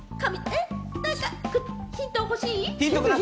ヒント欲しい？